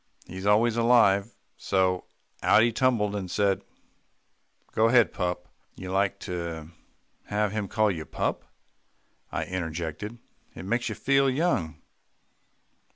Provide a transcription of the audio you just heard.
"He's always alive, so out he tumbled, and said, 'Go ahead, pup.'" "You like to have him call you pup," I interjected. "It makes you feel young."